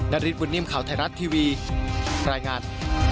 ริสบุญนิ่มข่าวไทยรัฐทีวีรายงาน